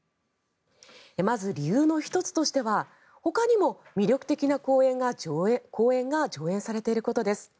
まず、理由の１つとしてはほかにも魅力的な公演が上演されていることです。